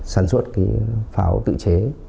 sản xuất cái pháo tự chế